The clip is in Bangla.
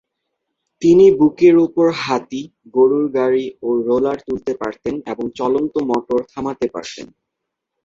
তিনি বুকের উপর হাতি, গরুর গাড়ি ও রোলার তুলতে পারতেন এবং চলন্ত মটর থামাতে পারতেন।